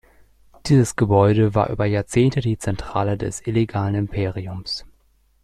Dieses Gebäude war über Jahrzehnte die Zentrale des illegalen Imperiums.